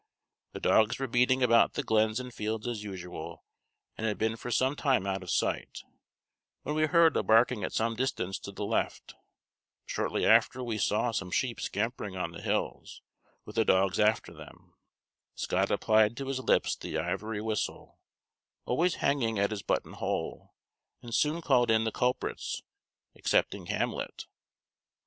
The dogs were beating about the glens and fields as usual, and had been for some time out of sight, when we heard a barking at some distance to the left. Shortly after we saw some sheep scampering on the hills, with the dogs after them. Scott applied to his lips the ivory whistle, always hanging at his button hole, and soon called in the culprits, excepting Hamlet.